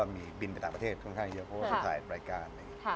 มีบินไปต่างประเทศค่อนข้างเยอะเพราะว่าเขาถ่ายรายการ